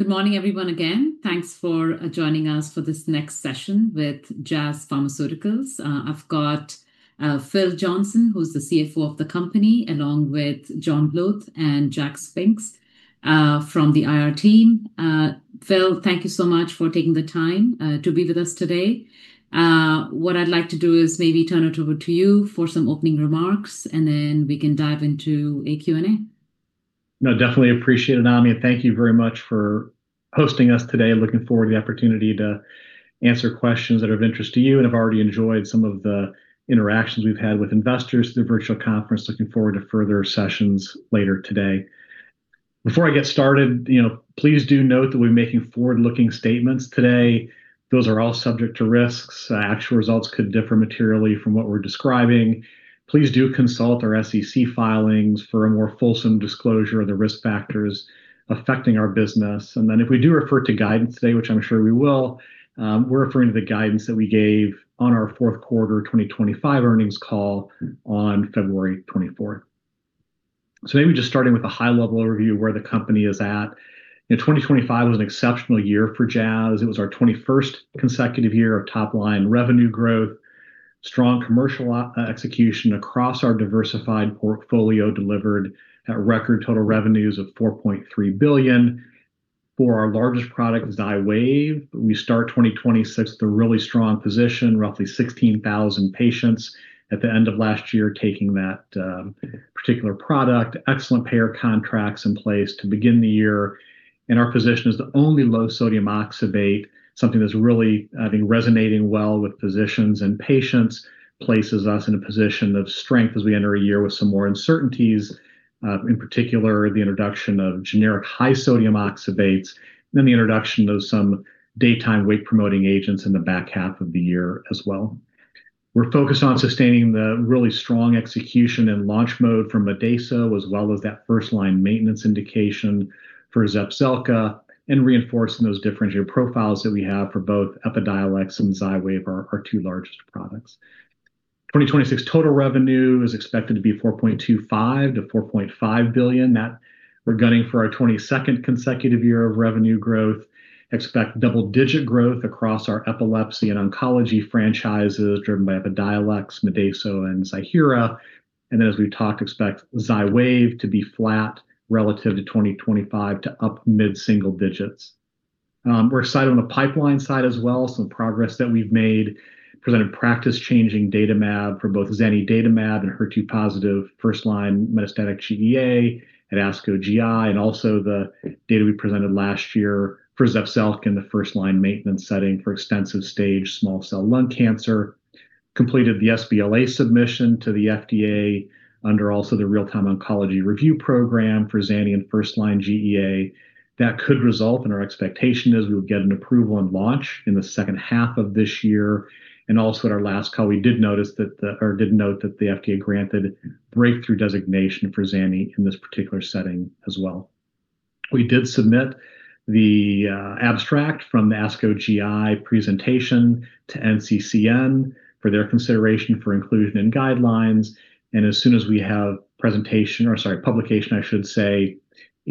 Good morning, everyone, again. Thanks for joining us for this next session with Jazz Pharmaceuticals. I've got Philip Johnson, who's the CFO of the company, along with John Bluth and Jack Spinks from the IR team. Phil, thank you so much for taking the time to be with us today. What I'd like to do is maybe turn it over to you for some opening remarks, and then we can dive into a Q&A. No, definitely appreciate it, Ami, and thank you very much for hosting us today. Looking forward to the opportunity to answer questions that are of interest to you, and I've already enjoyed some of the interactions we've had with investors through virtual conference. Looking forward to further sessions later today. Before I get started, please do note that we're making forward-looking statements today. Those are all subject to risks. Actual results could differ materially from what we're describing. Please do consult our SEC filings for a more fulsome disclosure of the risk factors affecting our business. If we do refer to guidance today, which I'm sure we will, we're referring to the guidance that we gave on our Q4 2025 earnings call on February 24th. Maybe just starting with a high-level overview of where the company is at. You know, 2025 was an exceptional year for Jazz. It was our 21st consecutive year of top-line revenue growth. Strong commercial execution across our diversified portfolio delivered record total revenues of $4.3 billion. For our largest product, XYWAV, we start 2026 with a really strong position, roughly 16,000 patients at the end of last year taking that particular product. Excellent payer contracts in place to begin the year. Our position as the only low-sodium oxybate, something that's really, I think, resonating well with physicians and patients, places us in a position of strength as we enter a year with some more uncertainties. In particular, the introduction of generic high sodium oxybates, and then the introduction of some daytime wake promoting agents in the back half of the year as well. We're focused on sustaining the really strong execution and launch mode for Modeyso, as well as that first-line maintenance indication for Zepzelca, and reinforcing those differentiated profiles that we have for both Epidiolex and XYWAV, our two largest products. 2026 total revenue is expected to be $4.25 billion-$4.5 billion. We're gunning for our 22nd consecutive year of revenue growth. Expect double-digit growth across our epilepsy and oncology franchises driven by Epidiolex, Modeyso, and Ziihera. As we talk, expect XYWAV to be flat relative to 2025 to up mid-single digits. We're excited on the pipeline side as well, some progress that we've made. We presented practice-changing data for both zanidatamab and HER2-positive first-line metastatic GEA at ASCO GI, and also the data we presented last year for Zepzelca in the first-line maintenance setting for extensive-stage small cell lung cancer. completed the sBLA submission to the FDA under also the Real-Time Oncology Review program for Zani in first-line GEA. That could result in our expectation as we would get an approval and launch in the second half of this year. At our last call, we did note that the FDA granted Breakthrough Designation for Zani in this particular setting as well. We did submit the abstract from the ASCO GI presentation to NCCN for their consideration for inclusion in guidelines. As soon as we have publication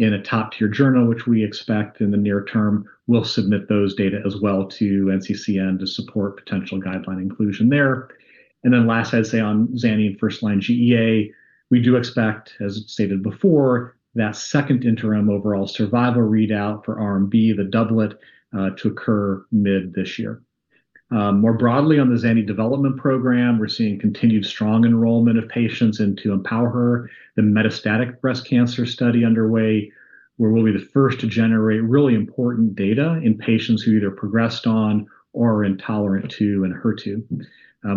in a top-tier journal, which we expect in the near term, we'll submit those data as well to NCCN to support potential guideline inclusion there. Last, I'd say on Zani in first-line GEA, we do expect, as stated before, that second interim overall survival readout for Arm B, the doublet, to occur mid this year. More broadly on the Zani development program, we're seeing continued strong enrollment of patients into EmpowHER, the metastatic breast cancer study underway, where we'll be the first to generate really important data in patients who have either progressed on or are intolerant to Enhertu.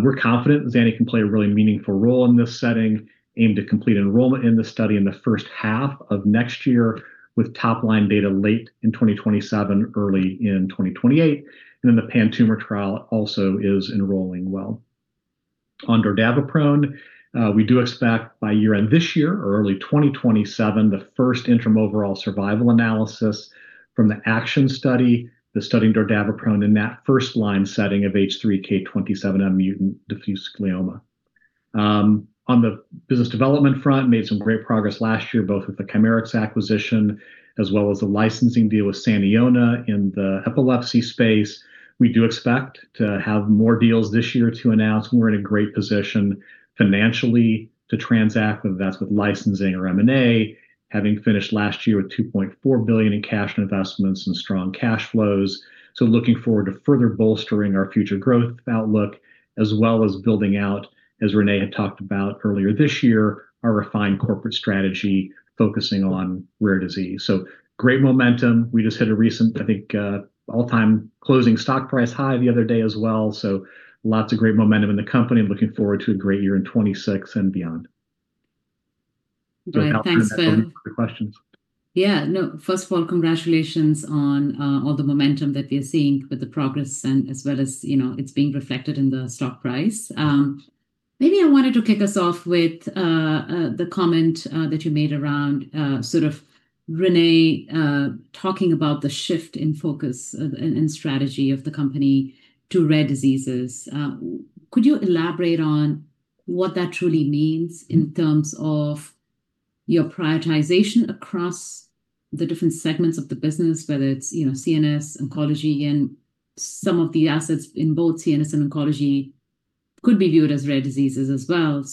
We're confident Zani can play a really meaningful role in this setting. We aim to complete enrollment in the study in the first half of next year with top-line data late in 2027, early in 2028. The pan-tumor trial also is enrolling well. On dordaviprone, we do expect by year-end this year or early 2027, the first interim overall survival analysis from the ACTION study, the study on dordaviprone in that first-line setting of H3K27M mutant diffuse glioma. On the business development front, we made some great progress last year, both with the Chimerix acquisition as well as the licensing deal with Saniona in the epilepsy space. We do expect to have more deals this year to announce, and we're in a great position financially to transact, whether that's with licensing or M&A, having finished last year with $2.4 billion in cash and investments and strong cash flows. Looking forward to further bolstering our future growth outlook as well as building out, as Renée had talked about earlier this year, our refined corporate strategy focusing on rare disease. Great momentum. We just hit a recent, I think, all-time closing stock price high the other day as well. Lots of great momentum in the company. I'm looking forward to a great year in 2026 and beyond. Great. Thanks, Phil. For questions. First of all, congratulations on all the momentum that we are seeing with the progress and as well as it's being reflected in the stock price. Maybe I wanted to kick us off with the comment that you made around sort of Renée talking about the shift in focus and strategy of the company to rare diseases. Could you elaborate on what that truly means in terms of your prioritization across the different segments of the business, whether it's CNS, oncology, and some of the assets in both CNS and oncology could be viewed as rare diseases as well?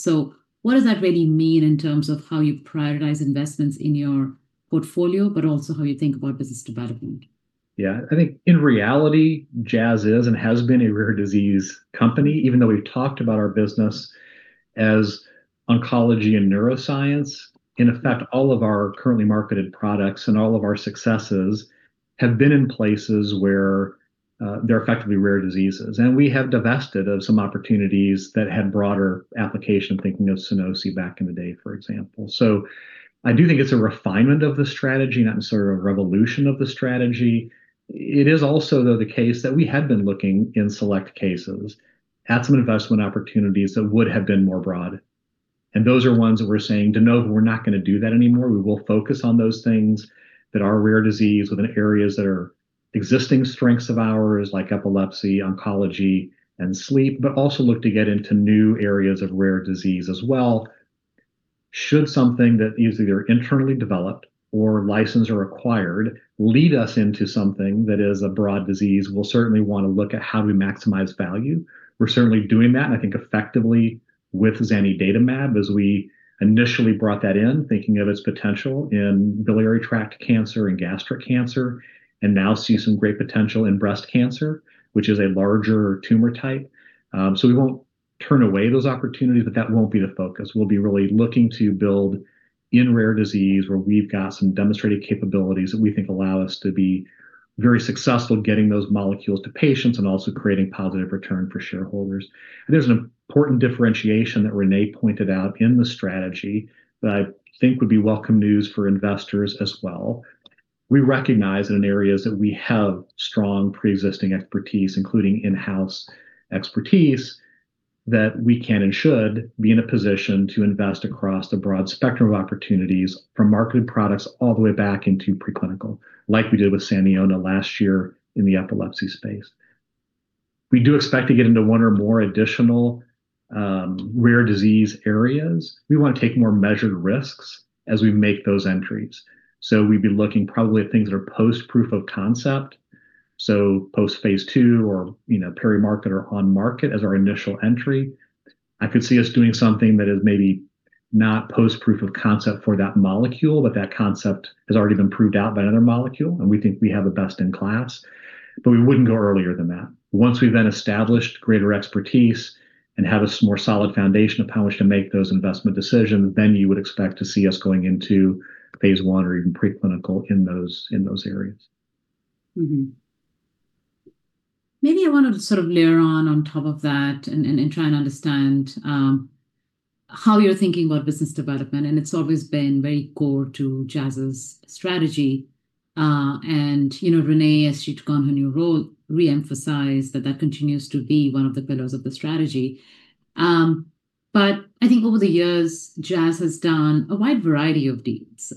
What does that really mean in terms of how you prioritize investments in your portfolio, but also how you think about business development? Yeah. I think in reality, Jazz is and has been a rare disease company, even though we've talked about our business as oncology and neuroscience. In effect, all of our currently marketed products and all of our successes have been in places where they're effectively rare diseases. And we have divested of some opportunities that had broader application, thinking of Senosi back in the day, for example. So I do think it's a refinement of the strategy, not sort of a revolution of the strategy. It is also, though, the case that we had been looking in select cases at some investment opportunities that would have been more broad. And those are ones that we're saying de novo, we're not going to do that anymore. We will focus on those things that are rare disease within areas that are existing strengths of ours, like epilepsy, oncology, and sleep, but also look to get into new areas of rare disease as well. Should something that is either internally developed or licensed or acquired lead us into something that is a broad disease, we'll certainly want to look at how do we maximize value. We're certainly doing that, and I think effectively with zanidatamab, as we initially brought that in, thinking of its potential in biliary tract cancer and gastric cancer, and now see some great potential in breast cancer, which is a larger tumor type. We won't turn away those opportunities, but that won't be the focus. We'll be really looking to build in rare disease, where we've got some demonstrated capabilities that we think allow us to be very successful getting those molecules to patients and also creating positive return for shareholders. There's an important differentiation that Renée pointed out in the strategy that I think would be welcome news for investors as well. We recognize that in areas that we have strong preexisting expertise, including in-house expertise, that we can and should be in a position to invest across a broad spectrum of opportunities from marketed products all the way back into preclinical, like we did with Saniona last year in the epilepsy space. We do expect to get into one or more additional rare disease areas. We want to take more measured risks as we make those entries. We'd be looking probably at things that are post proof of concept, so post phase II or perimarket or on market as our initial entry. I could see us doing something that is maybe not post proof-of-concept for that molecule, but that concept has already been proved out by another molecule, and we think we have a best-in-class. We wouldn't go earlier than that. Once we've then established greater expertise and have a more solid foundation upon which to make those investment decisions, then you would expect to see us going into phase I or even preclinical in those areas. Mm-hmm. Maybe I want to sort of layer on top of that and try and understand how you're thinking about business development, and it's always been very core to Jazz's strategy. Renée, as she took on her new role, re-emphasized that that continues to be one of the pillars of the strategy. I think over the years, Jazz has done a wide variety of deals.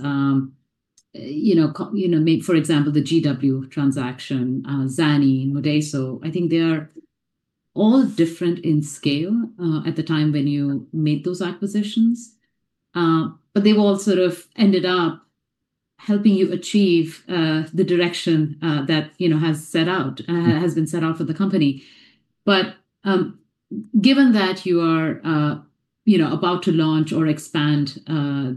For example, the GW transaction, Zani, Modeyso. I think they are all different in scale at the time when you made those acquisitions, but they've all sort of ended up helping you achieve the direction that has been set out for the company. Given that you are about to launch or expand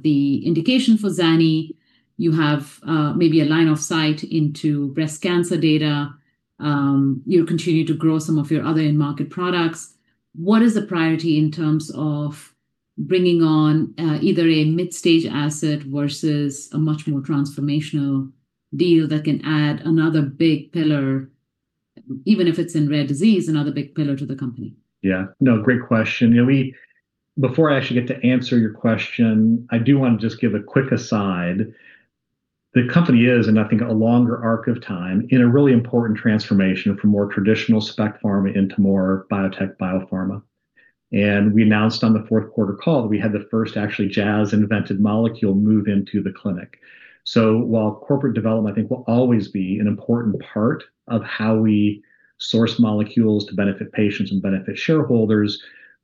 the indication for Zani, you have maybe a line of sight into breast cancer data, you continue to grow some of your other in-market products. What is the priority in terms of bringing on either a mid-stage asset versus a much more transformational deal that can add another big pillar, even if it's in rare disease, another big pillar to the company? Yeah. No, great question. Before I actually get to answer your question, I do want to just give a quick aside. The company is in, I think, a longer arc of time in a really important transformation from more traditional specialty pharma into more biotech biopharma. We announced on the Q4 call that we had the first actually Jazz-invented molecule move into the clinic. While corporate development, I think, will always be an important part of how we source molecules to benefit patients and benefit shareholders,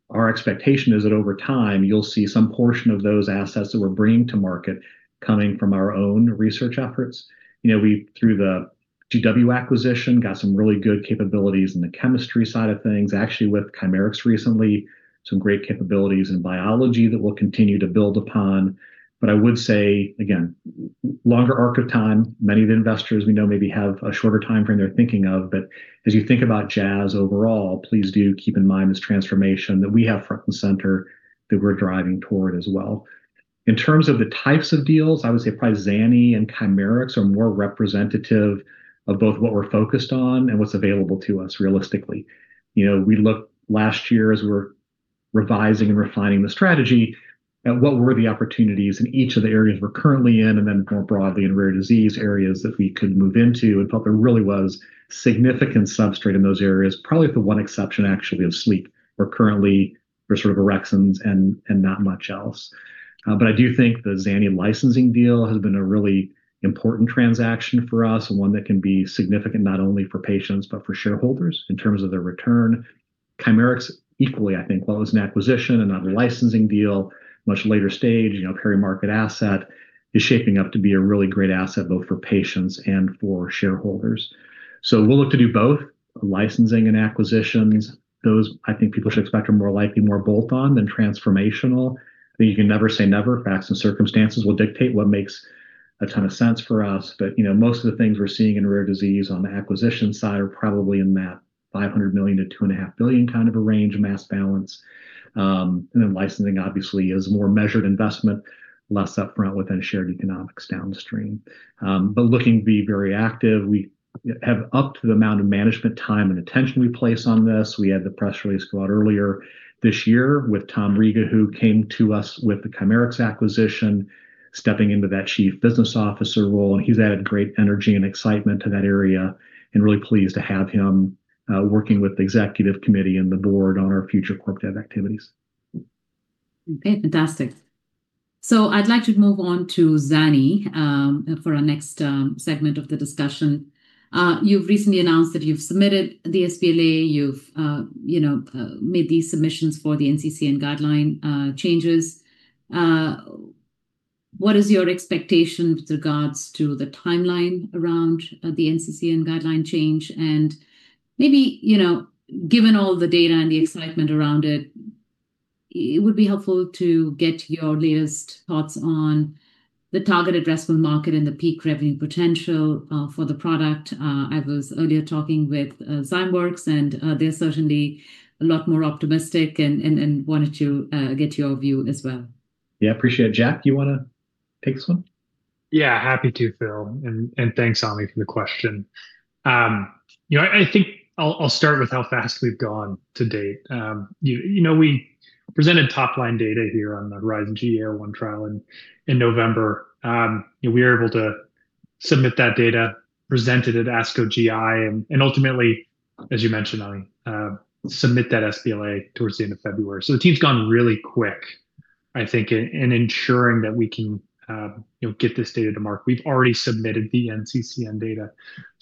our expectation is that over time, you'll see some portion of those assets that we're bringing to market coming from our own research efforts. Through the GW acquisition, got some really good capabilities in the chemistry side of things. Actually, with Chimerix recently, some great capabilities in biology that we'll continue to build upon. I would say, again, longer arc of time, many of the investors we know maybe have a shorter timeframe they're thinking of. As you think about Jazz overall, please do keep in mind this transformation that we have front and center that we're driving toward as well. In terms of the types of deals, I would say probably Zani and Chimerix are more representative of both what we're focused on and what's available to us realistically. We looked last year as we were revising and refining the strategy at what were the opportunities in each of the areas we're currently in, and then more broadly in rare disease areas that we could move into, and thought there really was significant substrate in those areas, probably with the one exception, actually, of sleep. We're currently sort of orexins and not much else. I do think the Zani licensing deal has been a really important transaction for us, and one that can be significant not only for patients, but for shareholders in terms of their return. Chimerix equally, I think, while it was an acquisition and not a licensing deal, much later stage, pre-market asset, is shaping up to be a really great asset both for patients and for shareholders. We'll look to do both licensing and acquisitions. Those, I think people should expect are more likely more bolt-on than transformational, but you can never say never. Facts and circumstances will dictate what makes a ton of sense for us. Most of the things we're seeing in rare disease on the acquisition side are probably in that $500 million-$2.5 billion kind of a range of deal size. Licensing, obviously, is more measured investment, less upfront with then shared economics downstream. Looking to be very active, we have upped the amount of management time and attention we place on this. We had the press release go out earlier this year with Thomas Riga, who came to us with the Chimerix acquisition, stepping into that Chief Business Officer role, and he's added great energy and excitement to that area, and we are really pleased to have him working with the Executive Committee and the Board on our future corp dev activities. Okay. Fantastic. I'd like to move on to Zani for our next segment of the discussion. You've recently announced that you've submitted the sBLA. You've made these submissions for the NCCN guideline changes. What is your expectation with regards to the timeline around the NCCN guideline change, and maybe, given all the data and the excitement around it would be helpful to get your latest thoughts on the target addressable market and the peak revenue potential for the product? I was earlier talking with Zymeworks, and they're certainly a lot more optimistic and wanted to get your view as well. Yeah, I appreciate it. Jack Spinks, do you want to take this one? Yeah. Happy to, Phil. Thanks, Ami, for the question. I think I'll start with how fast we've gone to date. We presented top-line data here on the HERIZON-GEA-01 trial in November. We were able to submit that data, present it at ASCO GI, and ultimately, as you mentioned, Ami, submit that sBLA towards the end of February. The team's gone really quick, I think, in ensuring that we can get this data to market. We've already submitted the NCCN data.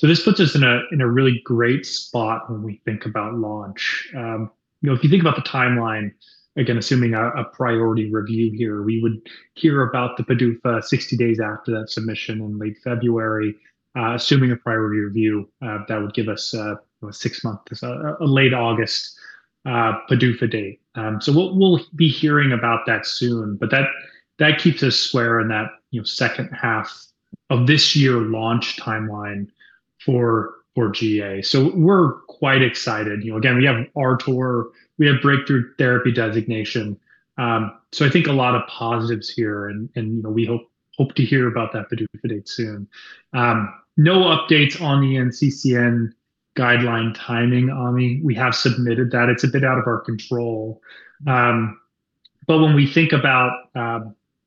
This puts us in a really great spot when we think about launch. If you think about the timeline, again, assuming a priority review here, we would hear about the PDUFA 60 days after that submission in late February. Assuming a priority review, that would give us a six-month, late August PDUFA date. We'll be hearing about that soon, but that keeps us square in that second half of this year launch timeline for GEA. We're quite excited. Again, we have RTOR, we have Breakthrough Therapy Designation. I think a lot of positives here, and we hope to hear about that PDUFA date soon. No updates on the NCCN guideline timing, Ami. We have submitted that. It's a bit out of our control. When we think about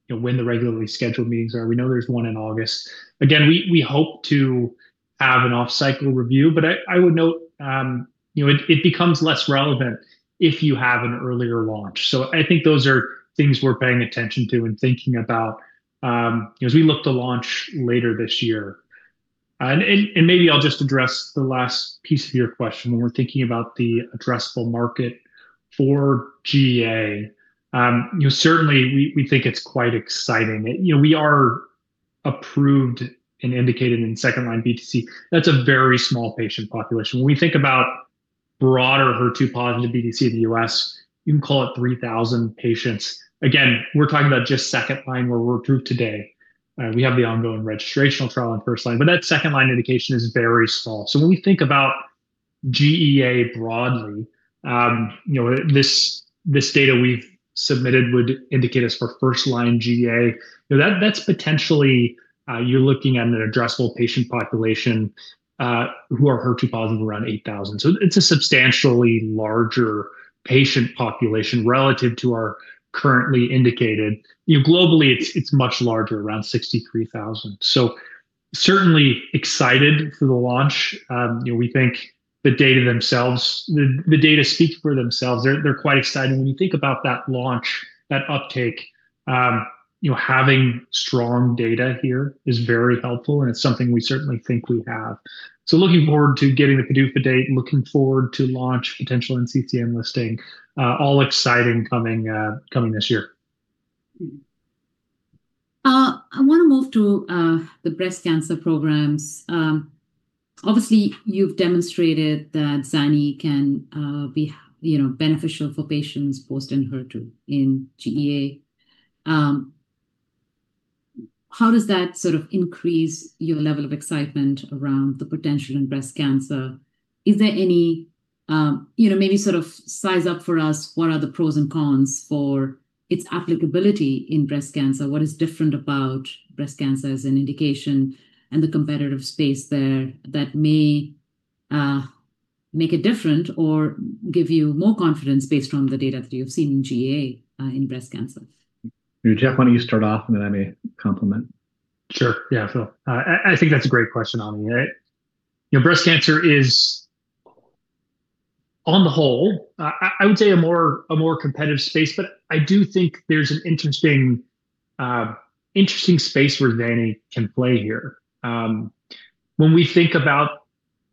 when the regularly scheduled meetings are, we know there's one in August. Again, we hope to have an off-cycle review, but I would note, it becomes less relevant if you have an earlier launch. I think those are things we're paying attention to and thinking about as we look to launch later this year. Maybe I'll just address the last piece of your question. When we're thinking about the addressable market for GEA, certainly, we think it's quite exciting. We are approved and indicated in second line BTC. That's a very small patient population. When we think about broader HER2-positive BTC in the U.S., you can call it 3,000 patients. Again, we're talking about just second-line, where we're approved today. We have the ongoing registrational trial on first-line, but that second-line indication is very small. When we think about GEA broadly, this data we've submitted would indicate us for first-line GEA. That's potentially, you're looking at an addressable patient population, who are HER2-positive, around 8,000. It's a substantially larger patient population relative to our currently indicated. Globally, it's much larger, around 63,000. Certainly excited for the launch. We think the data speak for themselves. They're quite exciting. When you think about that launch, that uptake, having strong data here is very helpful, and it's something we certainly think we have. Looking forward to getting the PDUFA date, looking forward to launch, potential NCCN listing. All exciting coming this year. I want to move to the breast cancer programs. Obviously, you've demonstrated that Zani can be beneficial for patients post-Enhertu in GEA. How does that sort of increase your level of excitement around the potential in breast cancer? Maybe sort of size up for us what are the pros and cons for its applicability in breast cancer. What is different about breast cancer as an indication and the competitive space there that may make it different or give you more confidence based on the data that you've seen in GEA, in breast cancer? Jack, why don't you start off, and then I may complement. Sure. Yeah, Phil. I think that's a great question, Ami. Breast cancer is, on the whole, I would say, a more competitive space, but I do think there's an interesting space where Zani can play here. When we think about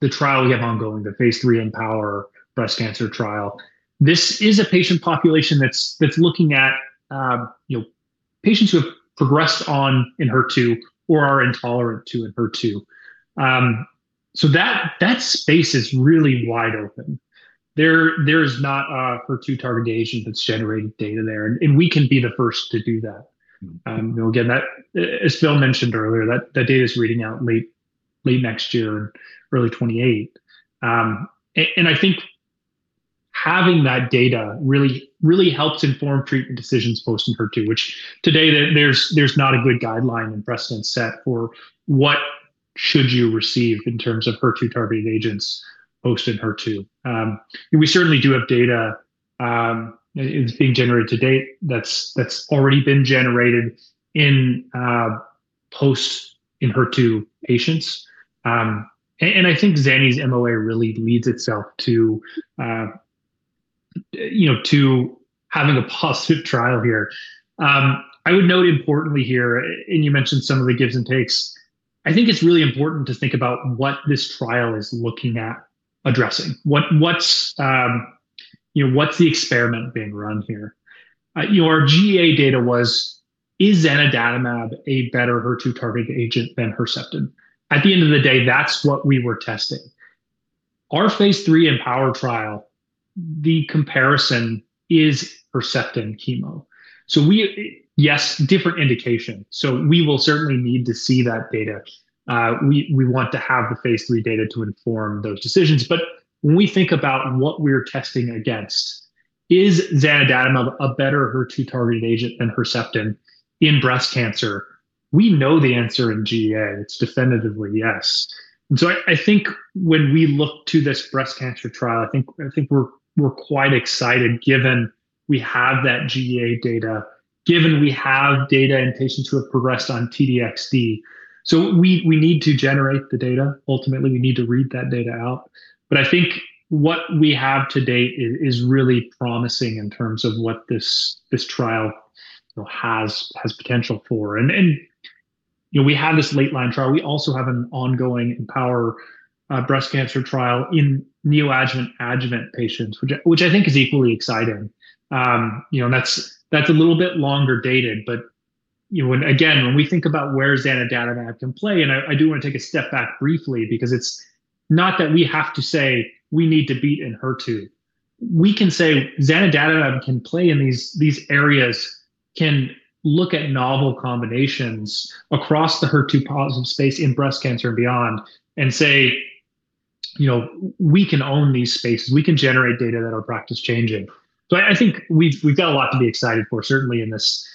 the trial we have ongoing, the phase III EmpowHER breast cancer trial, this is a patient population that's looking at patients who have progressed on Enhertu or are intolerant to Enhertu. That space is really wide open. There is not a HER2-targeted agent that's generating data there, and we can be the first to do that. Again, as Phil mentioned earlier, that data is reading out late next year, early 2028. I think having that data really helps inform treatment decisions post Enhertu, which today there's not a good guideline and precedent set for what should you receive in terms of HER2-targeted agents post Enhertu. We certainly do have data, it's being generated to date, that's already been generated in post Enhertu patients. I think Zani's MOA really lends itself to having a positive trial here. I would note importantly here, and you mentioned some of the gives and takes, I think it's really important to think about what this trial is looking at addressing. What's the experiment being run here? Our GEA data is zanidatamab a better HER2 targeted agent than Herceptin? At the end of the day, that's what we were testing. Our phase III EmpowHER trial, the comparison is Herceptin chemo. Yes, different indication. We will certainly need to see that data. We want to have the phase III data to inform those decisions. When we think about what we're testing against, is zanidatamab a better HER2 targeted agent than Herceptin in breast cancer? We know the answer in GEA. It's definitively yes. I think when we look to this breast cancer trial, I think we're quite excited given we have that GEA data, given we have data in patients who have progressed on T-DXd. We need to generate the data. Ultimately, we need to read that data out. I think what we have to date is really promising in terms of what this trial has potential for. We have this late line trial. We also have an ongoing EmpowHER breast cancer trial in neoadjuvant, adjuvant patients, which I think is equally exciting. That's a little bit longer dated, but again, when we think about where zanidatamab can play, and I do want to take a step back briefly, because it's not that we have to say we need to beat Enhertu. We can say zanidatamab can play in these areas, can look at novel combinations across the HER2-positive space in breast cancer and beyond and say, we can own these spaces. We can generate data that are practice-changing. I think we've got a lot to be excited for, certainly in this,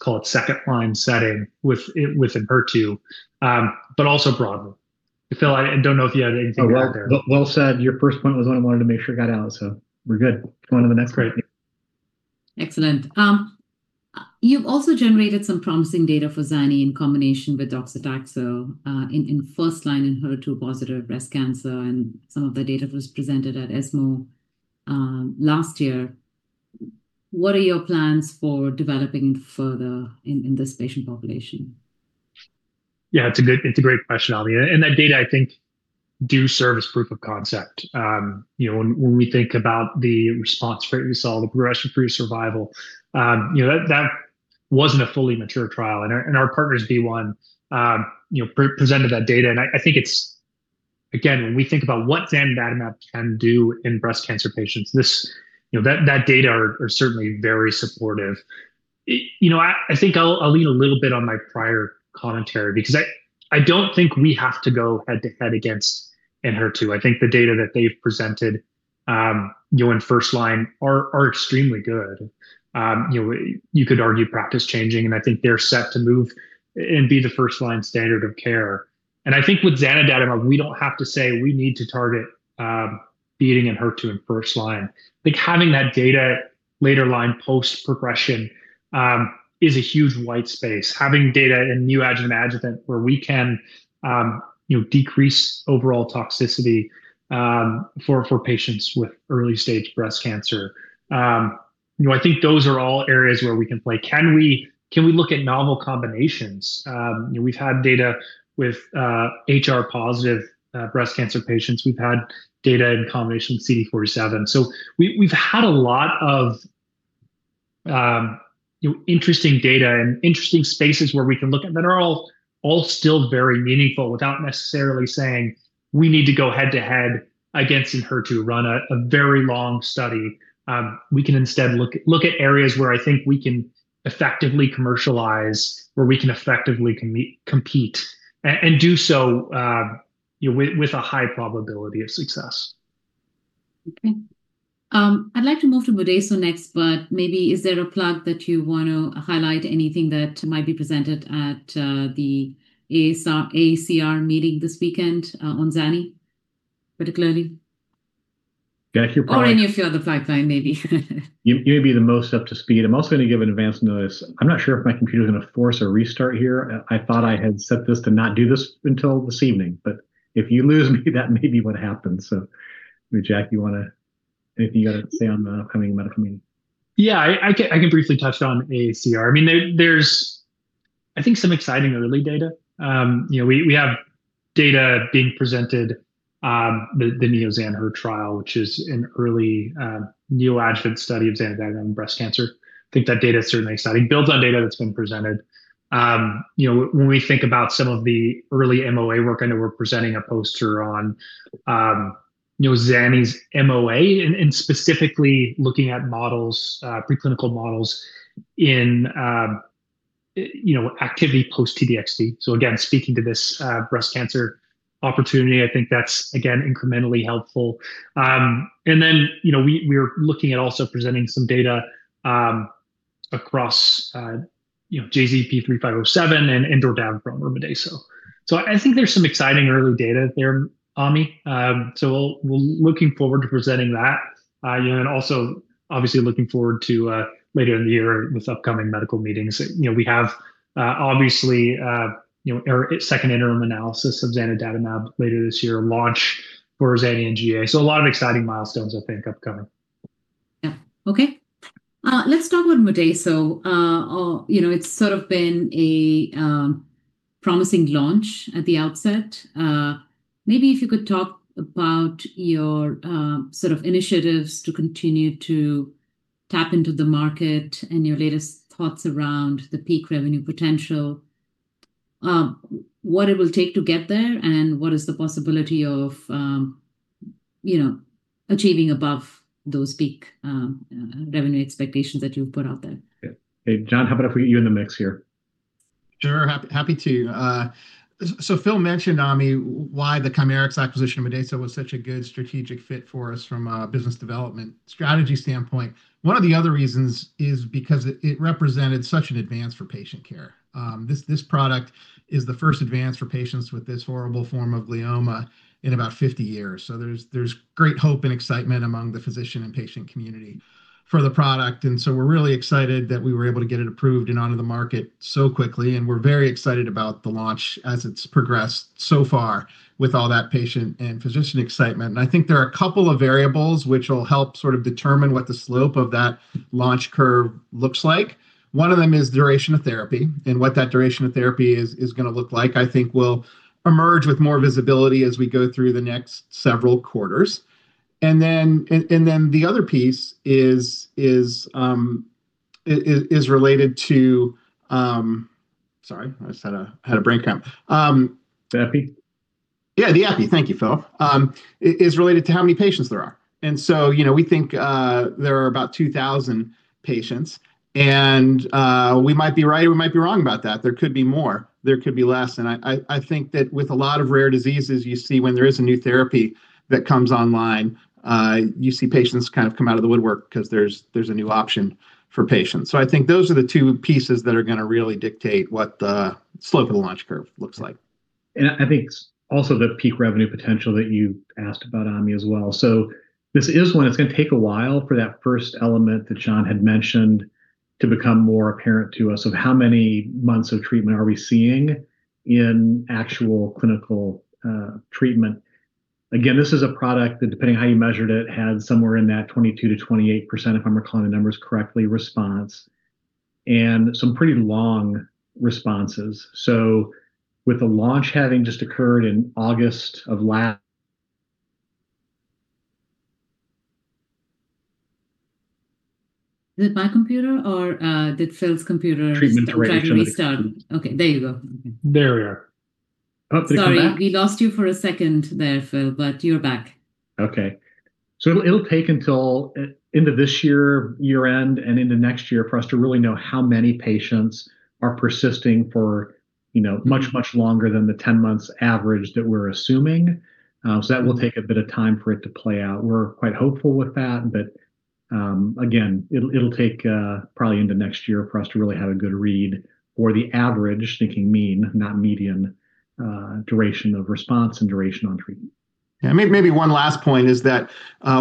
call it, second-line setting with Enhertu, but also broadly. Phil, I don't know if you had anything to add there. Well said. Your first point was what I wanted to make sure got out, so we're good. Go on to the next. Great. Excellent. You've also generated some promising data for Zani in combination with docetaxel in first-line in HER2-positive breast cancer, and some of the data was presented at ESMO last year. What are your plans for developing it further in this patient population? Yeah, it's a great question, Ami. That data, I think, do serve as proof of concept. When we think about the response rate we saw, the progression-free survival, that wasn't a fully mature trial. Our partners BeiGene presented that data, and I think it's, again, when we think about what zanidatamab can do in breast cancer patients, that data are certainly very supportive. I think I'll lean a little bit on my prior commentary because I don't think we have to go head-to-head against Enhertu. I think the data that they've presented in first-line are extremely good. You could argue practice-changing, and I think they're set to move and be the first-line standard of care. I think with zanidatamab, we don't have to say we need to target beating Enhertu in first-line. I think having that data later-line post-progression is a huge white space. Having data in neoadjuvant where we can decrease overall toxicity for patients with early-stage breast cancer, I think those are all areas where we can play. Can we look at novel combinations? We've had data with HR-positive breast cancer patients. We've had data in combination with CD47. We've had a lot of interesting data and interesting spaces where we can look at that are all still very meaningful without necessarily saying we need to go head-to-head against Enhertu, run a very long study. We can instead look at areas where I think we can effectively commercialize, where we can effectively compete, and do so with a high probability of success. Okay. I'd like to move to Modeyso next. Maybe is there a plug that you want to highlight anything that might be presented at the AACR meeting this weekend on Zani particularly? Yeah, sure. Any of your other pipeline, maybe? You may be the most up to speed. I'm also going to give an advance notice. I'm not sure if my computer's going to force a restart here. I thought I had set this to not do this until this evening, but if you lose me, that may be what happened. Jack, you want to? Anything you got to say on the upcoming medical meeting? Yeah, I can briefly touch on AACR. There's, I think, some exciting early data. We have data being presented, the NeoZanHER trial, which is an early neoadjuvant study of zanidatamab in breast cancer. I think that data is certainly exciting. It builds on data that's been presented. When we think about some of the early MOA work, I know we're presenting a poster on Zani's MOA and specifically looking at preclinical models in activity post T-DXd. Again, speaking to this breast cancer opportunity, I think that's, again, incrementally helpful. We're looking at also presenting some data across JZP3507 and dordaviprone from Modeyso. I think there's some exciting early data there, Ami. We're looking forward to presenting that and also obviously looking forward to later in the year with upcoming medical meetings. We have obviously our second interim analysis of zanidatamab later this year, launch for Zani GEA. A lot of exciting milestones, I think, upcoming. Yeah. Okay. Let's talk about Modeyso. It's sort of been a promising launch at the outset. Maybe if you could talk about your sort of initiatives to continue to tap into the market and your latest thoughts around the peak revenue potential, what it will take to get there, and what is the possibility of achieving above those peak revenue expectations that you've put out there? Yeah. Hey, John, how about if we get you in the mix here? Sure. Happy to. Phil mentioned, Ami, why the Chimerix acquisition of Modeyso was such a good strategic fit for us from a business development strategy standpoint. One of the other reasons is because it represented such an advance for patient care. This product is the first advance for patients with this horrible form of glioma in about 50 years. There's great hope and excitement among the physician and patient community for the product. We're really excited that we were able to get it approved and onto the market so quickly, and we're very excited about the launch as it's progressed so far with all that patient and physician excitement. I think there are a couple of variables which will help sort of determine what the slope of that launch curve looks like. One of them is duration of therapy, and what that duration of therapy is going to look like, I think, will emerge with more visibility as we go through the next several quarters. The other piece is related to, sorry, I just had a brain cramp. The Epi? Yeah, the epi, thank you, Phil, is related to how many patients there are. We think there are about 2,000 patients, and we might be right or we might be wrong about that. There could be more, there could be less. I think that with a lot of rare diseases, you see when there is a new therapy that comes online, you see patients kind of come out of the woodwork because there's a new option for patients. I think those are the two pieces that are going to really dictate what the slope of the launch curve looks like. I think it's also the peak revenue potential that you asked about, Ami, as well. This is one that's going to take a while for that first element that John had mentioned to become more apparent to us of how many months of treatment are we seeing in actual clinical treatment. Again, this is a product that, depending on how you measured it, had somewhere in that 22%-28%, if I'm recalling the numbers correctly, response. Some pretty long responses. With the launch having just occurred in August of last. Is it my computer or did Phil's computer? Treatment duration. Try to restart. Okay, there you go. There we are. Oh, did it come back? Sorry, we lost you for a second there, Phil, but you're back. Okay. It'll take until end of this year-end, and into next year for us to really know how many patients are persisting for much longer than the 10 months average that we're assuming. That will take a bit of time for it to play out. We're quite hopeful with that. Again, it'll take probably into next year for us to really have a good read for the average, thinking mean, not median, duration of response and duration on treatment. Yeah. Maybe one last point is that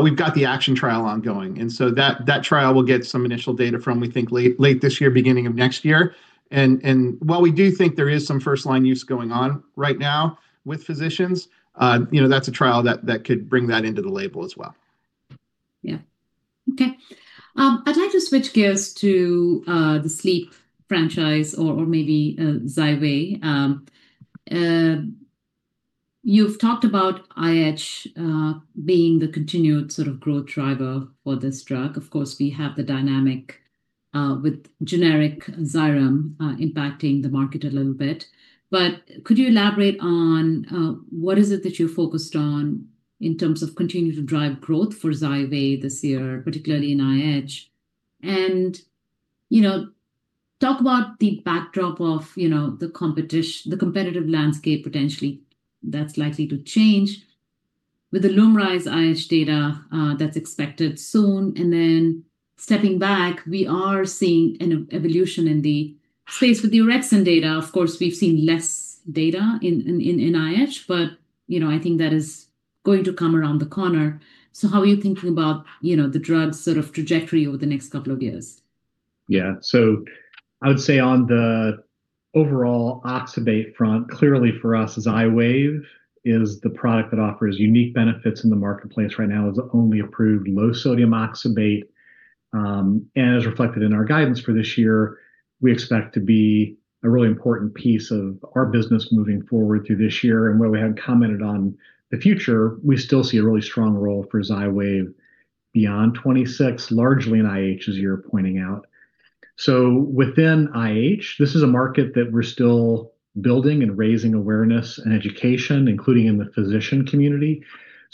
we've got the ACTION trial ongoing, and so that trial will get some initial data from, we think, late this year, beginning of next year. While we do think there is some first-line use going on right now with physicians, that's a trial that could bring that into the label as well. Yeah. Okay. I'd like to switch gears to the sleep franchise or maybe XYWAV. You've talked about IH being the continued sort of growth driver for this drug. Of course, we have the dynamic with generic Xyrem impacting the market a little bit. Could you elaborate on what is it that you're focused on in terms of continuing to drive growth for XYWAV this year, particularly in IH? Talk about the backdrop of the competitive landscape, potentially, that's likely to change with the LUMRYZ IH data that's expected soon. Stepping back, we are seeing an evolution in the space with the orexin data. Of course, we've seen less data in IH, but I think that is going to come around the corner. How are you thinking about the drug's sort of trajectory over the next couple of years? Yeah. I would say on the overall oxybate front, clearly for us as XYWAV is the product that offers unique benefits in the marketplace right now as the only approved low-sodium oxybate. As reflected in our guidance for this year, we expect to be a really important piece of our business moving forward through this year. Where we haven't commented on the future, we still see a really strong role for XYWAV beyond 2026, largely in IH, as you're pointing out. Within IH, this is a market that we're still building and raising awareness and education, including in the physician community.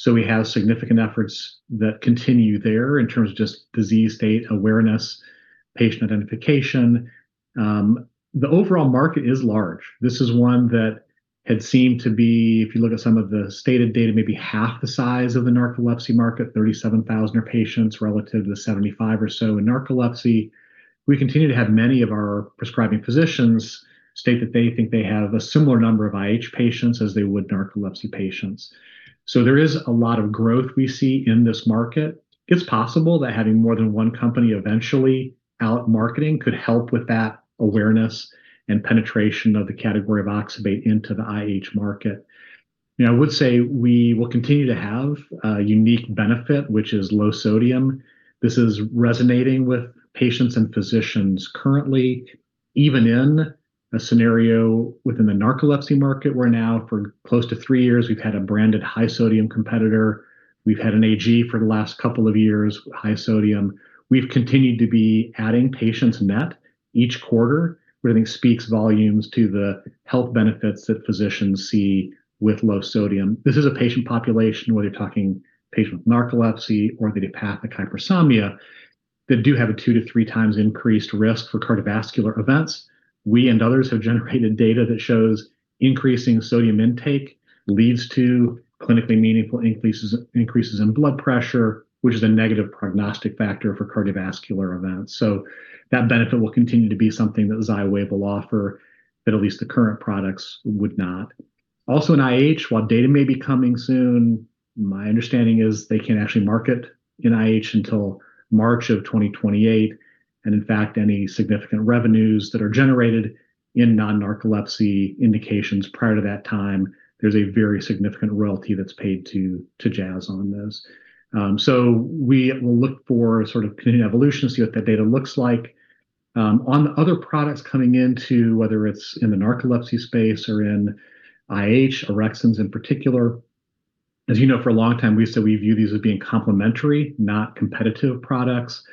We have significant efforts that continue there in terms of just disease state awareness, patient identification. The overall market is large. This is one that had seemed to be, if you look at some of the stated data, maybe half the size of the narcolepsy market. 37,000 are patients relative to the 75 or so in narcolepsy. We continue to have many of our prescribing physicians state that they think they have a similar number of IH patients as they would narcolepsy patients. There is a lot of growth we see in this market. It's possible that having more than one company eventually out marketing could help with that awareness and penetration of the category of oxybate into the IH market. I would say we will continue to have a unique benefit, which is low sodium. This is resonating with patients and physicians currently, even in a scenario within the narcolepsy market, where now for close to three years, we've had a branded high-sodium competitor. We've had an AG for the last couple of years, high sodium. We've continued to be adding patients net each quarter, which I think speaks volumes to the health benefits that physicians see with low sodium. This is a patient population, whether you're talking patient with narcolepsy or idiopathic hypersomnia, that do have a 2-3× increased risk for cardiovascular events. We and others have generated data that shows increasing sodium intake leads to clinically meaningful increases in blood pressure, which is a negative prognostic factor for cardiovascular events. That benefit will continue to be something that XYWAV will offer that at least the current products would not. Also in IH, while data may be coming soon, my understanding is they can't actually market in IH until March of 2028. In fact, any significant revenues that are generated in non-narcolepsy indications prior to that time, there's a very significant royalty that's paid to Jazz on those. We will look for sort of continuing evolution to see what that data looks like. On the other products coming into, whether it's in the narcolepsy space or in IH, orexins in particular, as you know for a long time, we've said we view these as being complementary, not competitive products.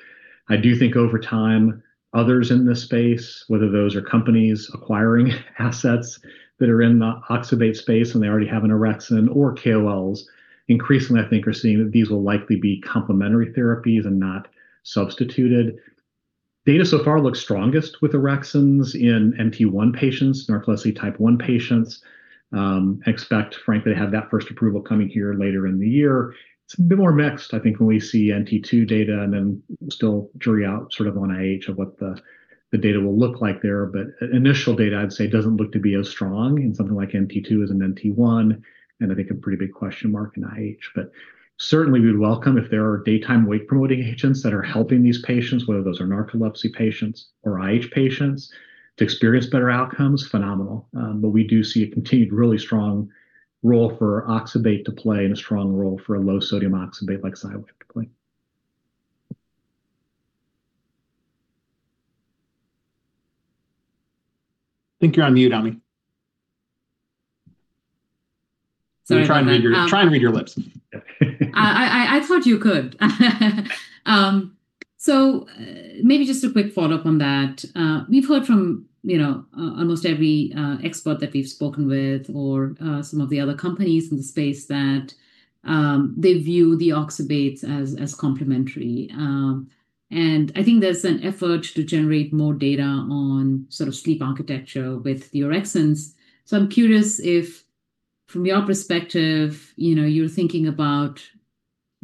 I do think over time, others in this space, whether those are companies acquiring assets that are in the oxybate space and they already have an orexin or KOLs, increasingly I think are seeing that these will likely be complementary therapies and not substituted. Data so far looks strongest with orexins in NT1 patients, narcolepsy type one patients. We expect, frankly, to have that first approval coming here later in the year. It's a bit more mixed, I think, when we see NT2 data and then still jury out sort of on IH of what the data will look like there. Initial data, I'd say, doesn't look to be as strong in something like NT2 as in NT1, and I think a pretty big question mark in IH. Certainly, we'd welcome if there are daytime wake-promoting agents that are helping these patients, whether those are narcolepsy patients or IH patients, to experience better outcomes, phenomenal. We do see a continued really strong role for oxybate to play and a strong role for a low-sodium oxybate like XYWAV to play. I think you're on mute, Ami. Sorry about that. I'm trying to read your lips. I thought you could, maybe just a quick follow-up on that. We've heard from almost every expert that we've spoken with or some of the other companies in the space that they view the oxybates as complementary. I think there's an effort to generate more data on sort of sleep architecture with the orexins. I'm curious if, from your perspective, you're thinking about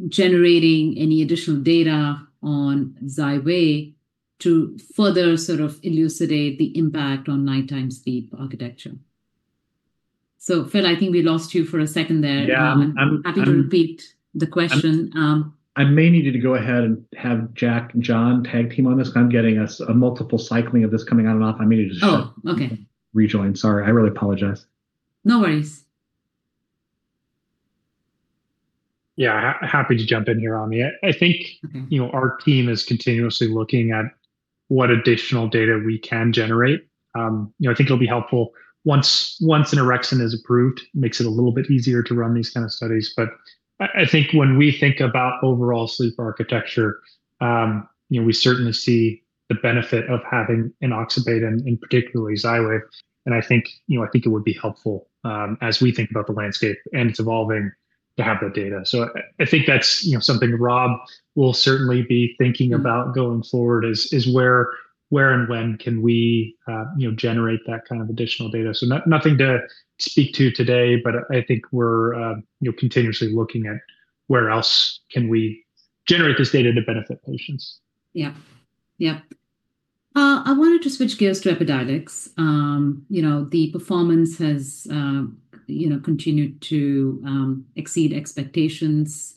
generating any additional data on XYWAV to further sort of elucidate the impact on nighttime sleep architecture. Phil, I think we lost you for a second there. Yeah. Happy to repeat the question. I may need you to go ahead and have Jack and John tag-team on this because I'm getting a multiple cycling of this coming on and off. Oh, okay.... rejoin. Sorry. I really apologize. No worries. Yeah. Happy to jump in here, Ami. I think our team is continuously looking at what additional data we can generate. I think it'll be helpful once an orexin is approved, makes it a little bit easier to run these kind of studies. I think when we think about overall sleep architecture, we certainly see the benefit of having an oxybate and particularly XYWAV, and I think it would be helpful as we think about the landscape and it's evolving to have that data. I think that's something Rob will certainly be thinking about going forward is where and when can we generate that kind of additional data. Nothing to speak to today, but I think we're continuously looking at where else can we generate this data to benefit patients. Yep. I wanted to switch gears to Epidiolex. The performance has continued to exceed expectations.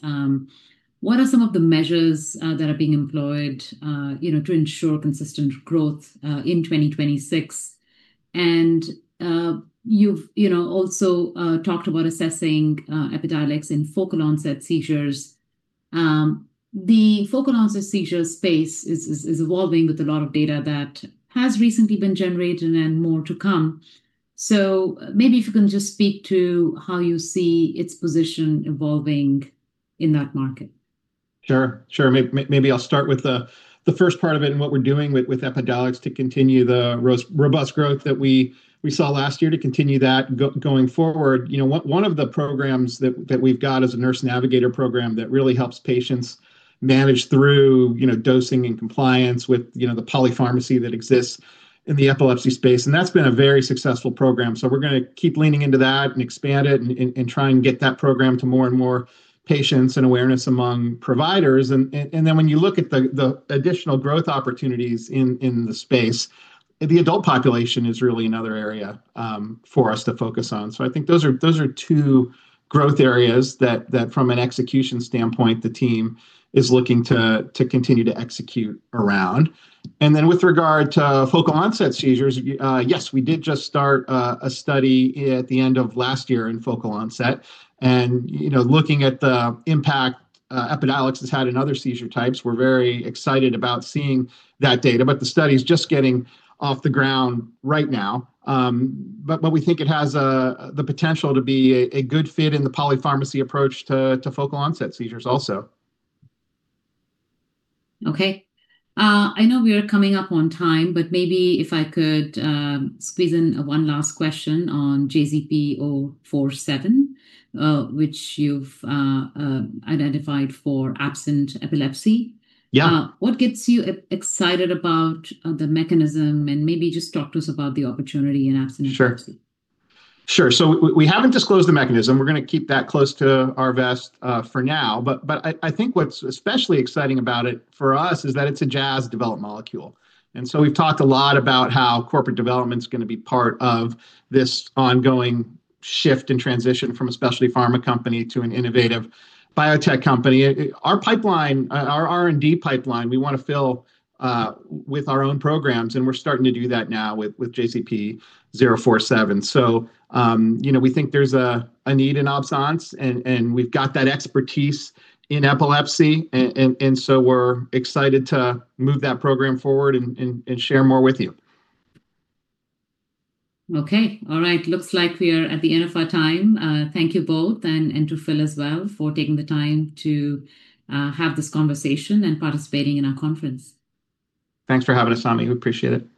What are some of the measures that are being employed to ensure consistent growth in 2026? You've also talked about assessing Epidiolex in focal onset seizures. The focal onset seizure space is evolving with a lot of data that has recently been generated, and more to come. Maybe if you can just speak to how you see its position evolving in that market. Sure. Maybe I'll start with the first part of it and what we're doing with Epidiolex to continue the robust growth that we saw last year, to continue that going forward. One of the programs that we've got is a Nurse Navigator program that really helps patients manage through dosing and compliance with the polypharmacy that exists in the epilepsy space, and that's been a very successful program. We're going to keep leaning into that and expand it, and try and get that program to more and more patients, and awareness among providers. When you look at the additional growth opportunities in the space, the adult population is really another area for us to focus on. I think those are two growth areas that from an execution standpoint, the team is looking to continue to execute around. With regard to focal onset seizures, yes, we did just start a study at the end of last year in focal onset. Looking at the impact Epidiolex has had in other seizure types, we're very excited about seeing that data, but the study's just getting off the ground right now. We think it has the potential to be a good fit in the polypharmacy approach to focal onset seizures also. Okay. I know we are coming up on time, but maybe if I could squeeze in one last question on JZP047, which you've identified for absence epilepsy. Yeah. What gets you excited about the mechanism? Maybe just talk to us about the opportunity in absence epilepsy. Sure. We haven't disclosed the mechanism. We're going to keep that close to our vest for now, but I think what's especially exciting about it for us is that it's a Jazz-developed molecule. We've talked a lot about how corporate development's going to be part of this ongoing shift and transition from a specialty pharma company to an innovative biotech company. Our R&D pipeline we want to fill with our own programs, and we're starting to do that now with JZP047. We think there's a need in absence, and we've got that expertise in epilepsy, and so we're excited to move that program forward and share more with you. Okay. All right. Looks like we are at the end of our time. Thank you both, and to Phil as well, for taking the time to have this conversation and participating in our conference. Thanks for having us, Ami. We appreciate it. Thanks.